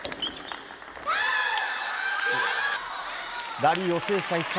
ラリーを制した石川。